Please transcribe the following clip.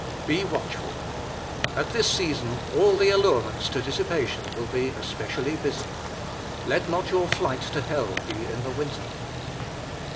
Be watchful! At this season all the allurements to dissipation will be especially busy. Let not your flight to hell be in the winter.